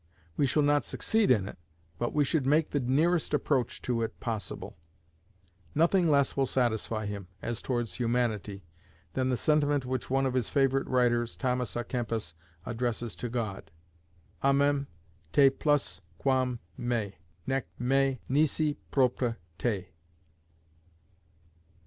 We shall not succeed in it, but we should make the nearest approach to it possible. Nothing less will satisfy him, as towards humanity, than the sentiment which one of his favourite writers, Thomas à Kempis, addresses to God: Amem te plus quam me, nec me nisi propter te.